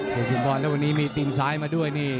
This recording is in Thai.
สุนทรแล้ววันนี้มีตีนซ้ายมาด้วยนี่